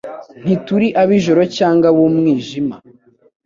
ntituri ab'ijoro cyangwa ab'umwijima."